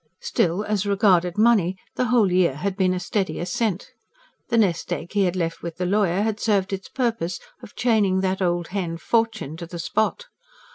Still, as regarded money, the whole year had been a steady ascent. The nest egg he had left with the lawyer had served its purpose of chaining that old hen, Fortune, to the spot.